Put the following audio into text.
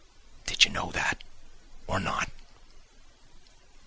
Did you know that, or not?